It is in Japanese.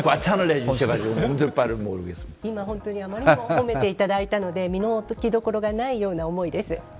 今ほんとに、あまりにも褒めていただいたので身の置き所がないような思いです。